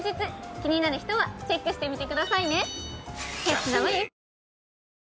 気になる人はチェックしてみてくださいね。